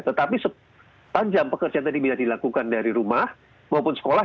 tetapi sepanjang pekerjaan tadi bisa dilakukan dari rumah maupun sekolah